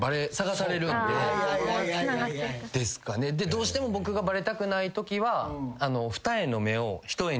どうしても僕がバレたくないときは。